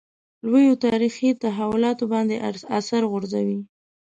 لویو تاریخي تحولاتو باندې اثر غورځوي.